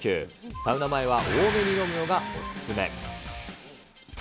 サウナ前は多めに飲むのがお勧め。